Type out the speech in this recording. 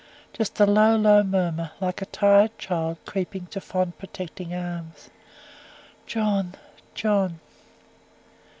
Just a low, low murmur, like a tired child creeping to fond protecting arms. "John, John!"